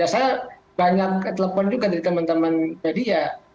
saya banyak telepon juga dari teman teman media